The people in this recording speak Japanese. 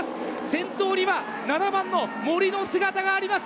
先頭には７番の森の姿があります。